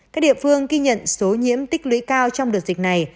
các địa phương ghi nhận số nhiễm tích lũy cao trong đợt dịch này